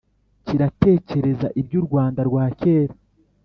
kiratekereza iby’u rwanda rwa kera,